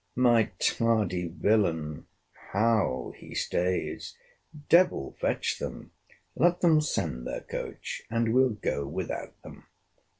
My tardy villain, how he stays! Devil fetch them! let them send their coach, and we'll go without them.